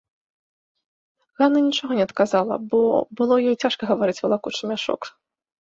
Ганна нічога не адказала, бо было ёй цяжка гаварыць, валакучы мяшок.